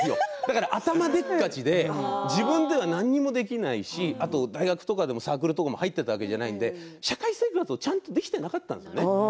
頭でっかちで自分では何もできないし大学とかでもサークルも入っていたわけではないので社会生活がちゃんとできていなかったんですね。